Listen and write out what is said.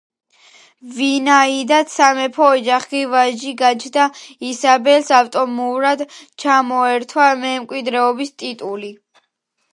ვინაიდან სამეფო ოჯახში ვაჟი გაჩნდა ისაბელს ავტომატურად ჩამოერთვა მემკვიდრის ტიტული.